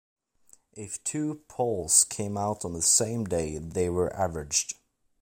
If two polls came out on the same day, they were averaged.